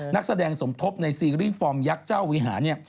นักแสดงสมทบในซีรีส์ฟอร์มยักษ์เจ้าวิหาร